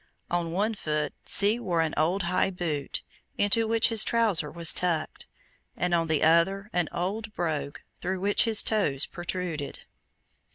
On one foot C. wore an old high boot, into which his trouser was tucked, and on the other an old brogue, through which his toes protruded.